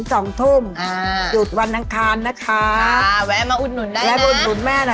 หยุดวันทางคาญนะคะแวะมาอุดหนุนแม่หน่อยให้ค่ะแวะมาอุดหนุนได้นะ